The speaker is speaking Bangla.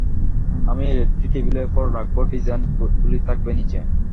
আমি একেকটি টেবিলের ওপর রাখব, ডিজাইন গুলি থাকবে নিচে।